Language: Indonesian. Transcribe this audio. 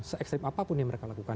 se ekstrim apapun yang mereka lakukan